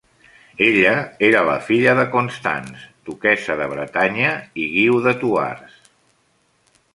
Ella era la filla de Constance, duquessa de Bretanya i Guiu de Thouars.